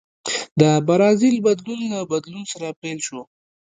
د برازیل بدلون له بدلون سره پیل شو.